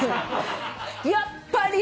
やっぱり！